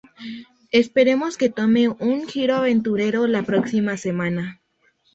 Esperemos que tome un giro aventurero la proxima semana.